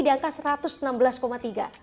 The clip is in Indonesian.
lebih tinggi di angka satu ratus enam belas tiga